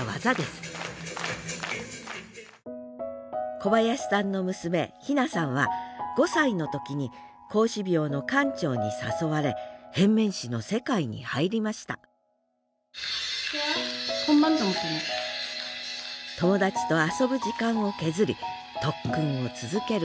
小林さんの娘妃那さんは５歳の時に孔子廟の館長に誘われ変面師の世界に入りました友達と遊ぶ時間を削り特訓を続ける